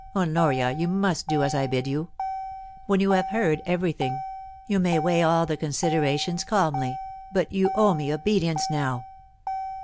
Honoria, you must do as I bid you. When you have heard every thing, you may weigh all the considerations calmly, but you owe me obedience now.'